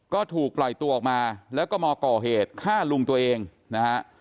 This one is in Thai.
ก็ถูกปล่อยตัวออกมาแล้วก็มาก่อเหตุฆ่าลุงตัวเองนะฮะ